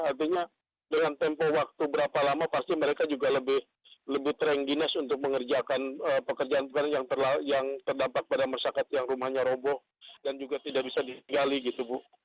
artinya dengan tempo waktu berapa lama pasti mereka juga lebih terengginas untuk mengerjakan pekerjaan pekerjaan yang terdampak pada masyarakat yang rumahnya roboh dan juga tidak bisa digali gitu bu